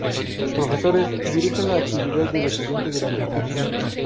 Profesores: dirigen la actividad del estudiante durante el curso.